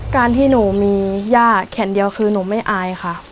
การที่หนูมีย่าแขนเดียวคือหนูไม่อายค่ะ